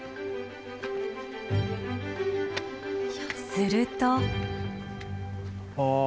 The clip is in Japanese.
すると。